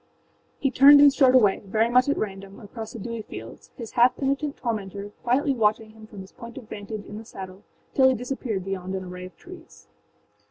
â He turned and strode away, very much at random, across the dewy fields, his half penitent tormentor quietly watching him from his point of vantage in the saddle till he disappeared beyond an array of trees.